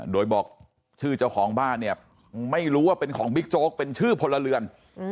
โดยบอกชื่อเจ้าของบ้านเนี่ยไม่รู้ว่าเป็นของบิ๊กโจ๊กเป็นชื่อพลเรือน